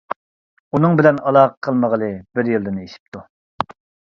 ئۇنىڭ بىلەن ئالاقە قىلمىغىلى بىر يىلدىن ئېشىپتۇ.